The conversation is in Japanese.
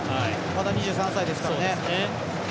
まだ２３歳ですからね。